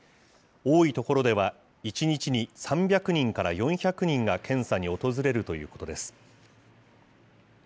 多い所では１日に３００人から４００人が検査に訪れるということです。